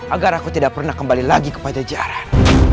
agar aku tidak pernah kembali lagi ke pajajaran